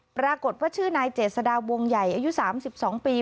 ปรากฏว่าชื่อนายเจษดาวงใหญ่อายุ๓๒ปี